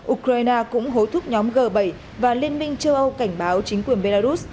ukraine cũng hối thúc nhóm g bảy và liên minh châu âu cảnh báo chính quyền belarus